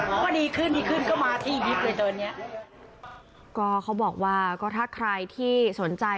ก็ได้ยินข่าวว่าขอเรือพี่เก่ง